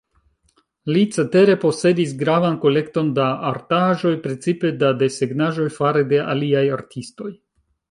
Li cetere posedis gravan kolekton da artaĵoj, precipe da desegnaĵoj fare de aliaj artistoj.